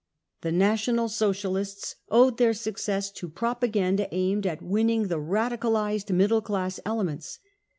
The National Socialists owed their success to prop aganda aimed at winning the radicalised middle class elements.